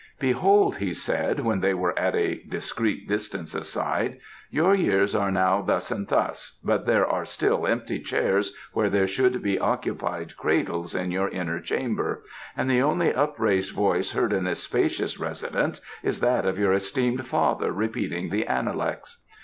"Behold!" he said, when they were at a discreet distance aside, "your years are now thus and thus, but there are still empty chairs where there should be occupied cradles in your inner chamber, and the only upraised voice heard in this spacious residence is that of your esteemed father repeating the Analects.